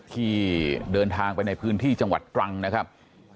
ที่เดินทางไปในพื้นที่จังหวัดตรังนะครับ